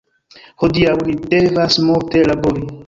Hodiaŭ ni devas multe labori